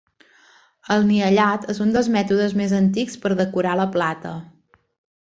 El niellat és un dels mètodes més antics per decorar la plata.